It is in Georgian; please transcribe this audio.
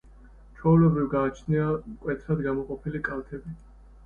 ჩვეულებრივ გააჩნია მკვეთრად გამოყოფილი კალთები.